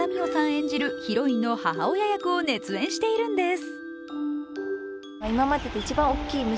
演じるヒロインの母親役を熱演しているんです。